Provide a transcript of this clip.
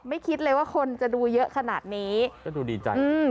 คิดเลยว่าคนจะดูเยอะขนาดนี้ก็ดูดีใจอืม